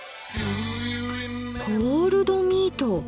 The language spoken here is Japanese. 「コールドミート」。